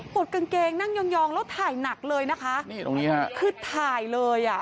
ดกางเกงนั่งยองยองแล้วถ่ายหนักเลยนะคะนี่ตรงนี้ฮะคือถ่ายเลยอ่ะ